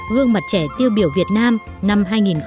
gương mặt trẻ tiêu biểu việt nam năm hai nghìn một mươi